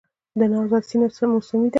د نوزاد سیند موسمي دی